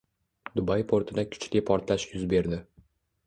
Dubay portida kuchli portlash yuz berdi